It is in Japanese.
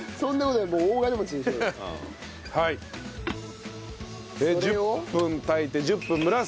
で１０分炊いて１０分蒸らす。